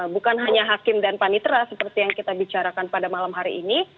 bukan hanya hakim dan panitera seperti yang kita bicarakan pada malam hari ini